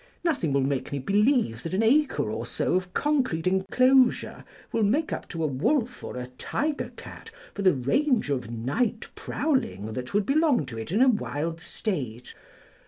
Nothing will make me believe that an acre or so of concrete enclosure will make up to a wolf or a tiger cat for the range of night prowling that would belong to it in a wild state.